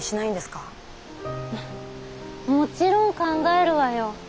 もちろん考えるわよ。